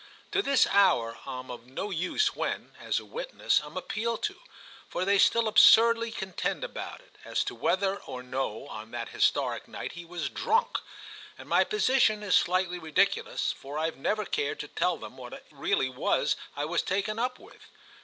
To this hour I'm of no use when, as a witness, I'm appealed to—for they still absurdly contend about it—as to whether or no on that historic night he was drunk; and my position is slightly ridiculous, for I've never cared to tell them what it really was I was taken up with.